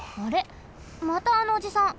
またあのおじさん。